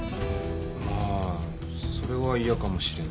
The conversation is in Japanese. まあそれは嫌かもしれんね。